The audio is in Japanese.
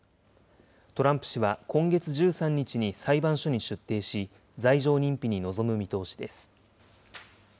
トランプ氏は、今月１３日に裁判所に出廷し、罪状認否に臨む見通しです。